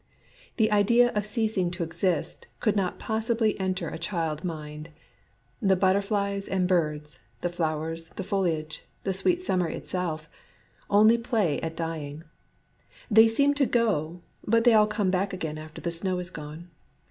The idea of ceasing to exist could not possibly enter 86 DUST a cliild mind : the butterflies and birds, the flowers, the foliage, the sweet summer itself, only play at dying; — they seem to go, but they all come back again after the snow is gone.